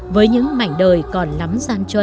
với những mảnh đời còn lắm gian chân